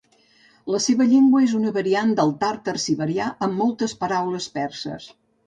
La seva llengua és una variant del tàrtar siberià amb moltes paraules perses.